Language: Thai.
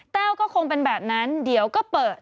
แววก็คงเป็นแบบนั้นเดี๋ยวก็เปิด